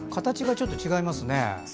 形がちょっと違いますね。